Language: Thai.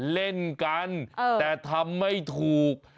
เล่นกันแต่ทำไม่ถูก